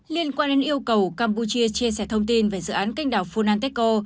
liên quan đến yêu cầu campuchia chia sẻ thông tin về dự án canh đảo funanteko